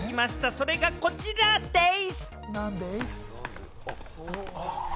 それがこちらでぃす！